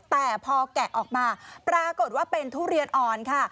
แต่พอแกะออกมาปรากฏว่าเป็นทุเรียนอ่อนค่ะ